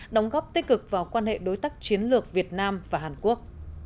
đóng góp tích cực vào quan hệ đối tác chiến lược việt nam và hàn quốc